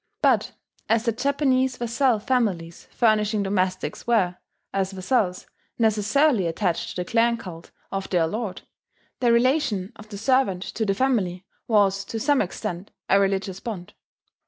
But as the Japanese vassal families furnishing domestics were, as vassals, necessarily attached to the clan cult of their lord, the relation of the servant to the family was to some extent a religious bond.